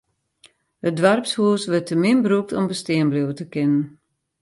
It doarpshûs wurdt te min brûkt om bestean bliuwe te kinnen.